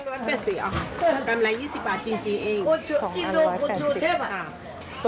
รถอีก๒๐๑๖๐อ่ะ